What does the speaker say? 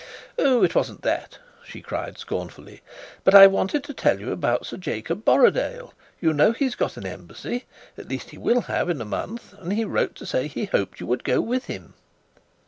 "Oh, it wasn't that," she cried scornfully, "but I wanted to tell you about Sir Jacob Borrodaile. You know, he's got an Embassy at least, he will have in a month and he wrote to say he hoped you would go with him."